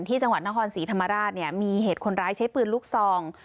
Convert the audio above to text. ที่จังหวัดนครศรีธรรมราชเนี่ยมีเหตุคนร้ายใช้ปืนลูกซอง